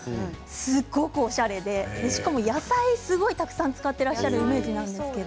すごくおしゃれでしかも野菜は、すごくたくさん使っているイメージですけれど。